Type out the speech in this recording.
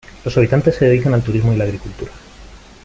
Los habitantes se dedican al turismo y la agricultura.